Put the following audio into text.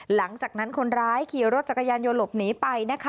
หลังจากนั้นคนร้ายขี่รถจักรยานยนต์หลบหนีไปนะคะ